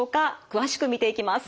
詳しく見ていきます。